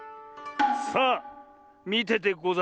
さあみててござれ。